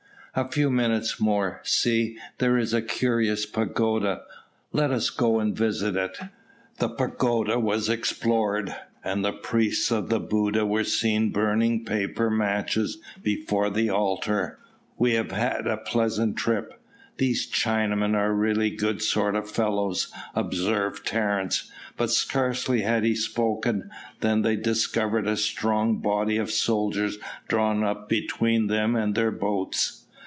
"A few minutes more. See, there is a curious pagoda, let us go and visit it." The pagoda was explored; and the priests of Buddha were seen burning paper matches before the altar. "We have had a pleasant trip. These Chinamen are really good sort of fellows," observed Terence; but scarcely had he spoken, than they discovered a strong body of soldiers drawn up between them and their boats.